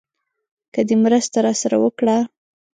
که دې مرسته راسره وکړه.